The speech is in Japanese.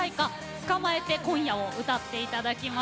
「捕まえて、今夜。」を歌って頂きます。